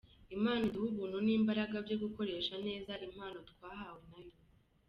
Imana iduhe ubuntu n’imbaraga byo gukoresha neza impano twahawe na yo.